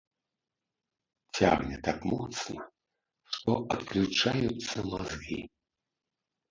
Цягне так моцна, што адключаюцца мазгі.